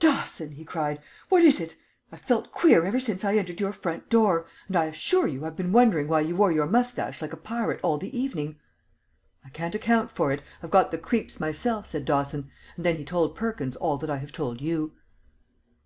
"Dawson," he cried, "what is it? I've felt queer ever since I entered your front door, and I assure you I've been wondering why you wore your mustache like a pirate all the evening." "I can't account for it. I've got the creeps myself," said Dawson, and then he told Perkins all that I have told you.